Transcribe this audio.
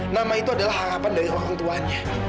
nama itu adalah harapan dari orang tuanya